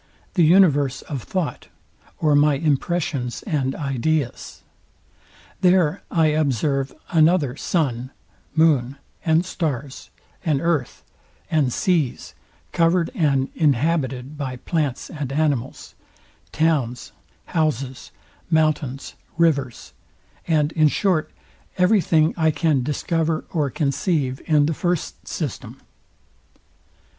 the universe of thought, or my impressions and ideas. There I observe another sun, moon and stars; an earth, and seas, covered and inhabited by plants and animals; towns, houses, mountains, rivers; and in short every thing I can discover or conceive in the first system.